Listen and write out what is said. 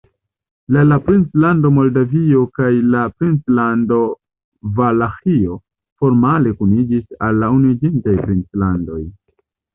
La la princlando Moldavio kaj la princlando Valaĥio formale kuniĝis al la Unuiĝintaj Princlandoj.